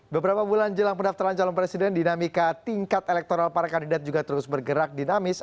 beberapa bulan jelang pendaftaran calon presiden dinamika tingkat elektoral para kandidat juga terus bergerak dinamis